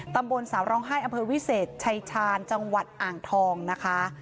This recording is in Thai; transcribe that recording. ตำบลสาวร้องไห้อำเภอวิเศษชายชาญจังหวัดอ่างทองนะคะ